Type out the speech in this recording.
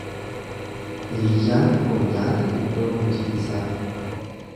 Hiriyyaan koo nyaata iddoo hojii isaa.